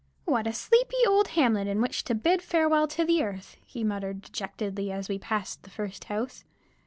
"What a sleepy old hamlet in which to bid farewell to earth!" he muttered dejectedly, as we passed the first house.